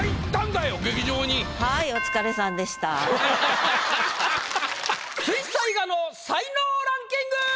はい水彩画の才能ランキング！